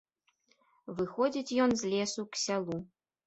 Выходзіць ён з лесу к сялу.